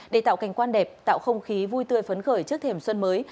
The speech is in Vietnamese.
để tạo cảnh quan đẹp tạo không khí vui tươi phấn khởi trước thềm xuân mới